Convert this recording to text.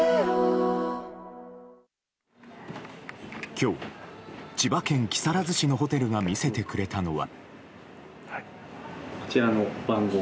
今日、千葉県木更津市のホテルが見せてくれたのは。